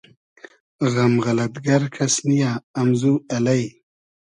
غئم غئلئد گئر کئس نییۂ امزو الݷ